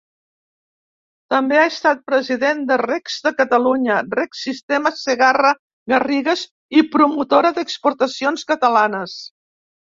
També ha estat president de Regs de Catalunya, Reg Sistema Segarra-Garrigues i Promotora d'Exportacions Catalanes.